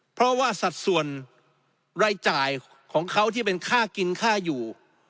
เพราะว่าสัดส่วนรายจ่ายของเขาที่เป็นค่ากินค่าอยู่